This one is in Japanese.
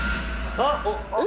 あっ！